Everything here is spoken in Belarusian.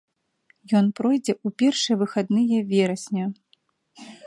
Ён пройдзе ў першыя выхадныя верасня.